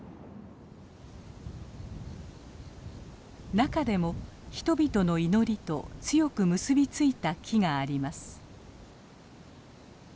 中でも人々の祈りと強く結び付いた木があります。